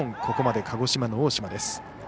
ここまで鹿児島の大島です。